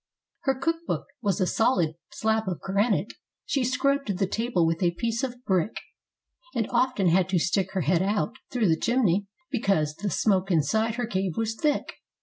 ' T X Her cook book was a solid slab of granite; she scrubbed the table with a piece of brick, And often had to stick her head out through the chimney, because the smoke inside her cave was thick.